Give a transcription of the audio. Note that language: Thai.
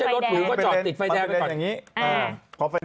ถ้าไม่ใช่รถหรูก็จอดติดไฟแดงไปก่อน